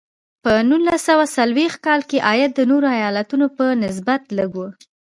په نولس سوه څلویښت کال کې عاید د نورو ایالتونو په نسبت لږ و.